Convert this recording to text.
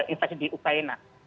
investasi di ukraina